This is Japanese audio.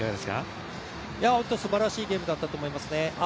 本当にすばらしいゲームだったと思いますね。